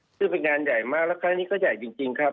ซึ่งเป็นงานใหญ่มากแล้วครั้งนี้ก็ใหญ่จริงครับ